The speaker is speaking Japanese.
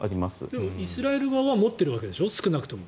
でもイスラエル側は持っているわけでしょ少なくとも。